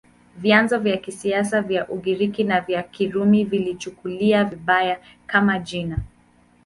Vyanzo vya kisasa vya Ugiriki na vya Kirumi viliichukulia vibaya, kama jina.